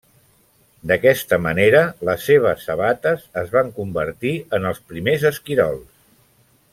D'aquesta manera, les seves sabates es van convertir en els primers esquirols.